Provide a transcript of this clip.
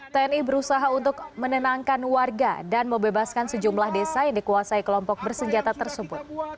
tni berusaha untuk menenangkan warga dan membebaskan sejumlah desa yang dikuasai kelompok bersenjata tersebut